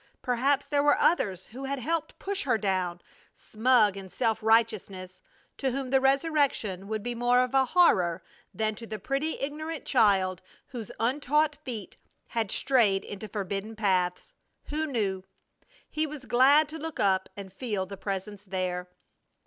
Perhaps there were others who had helped push her down, smug in self righteousness, to whom the resurrection would be more of a horror than to the pretty, ignorant child whose untaught feet had strayed into forbidden paths! Who knew? He was glad to look up and feel the Presence there!